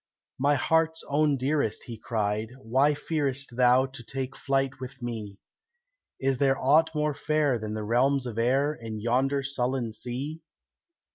"My heart's own dearest," he cried, "why fearest Thou to take flight with me? Is there aught more fair than the realms of air In yonder sullen sea?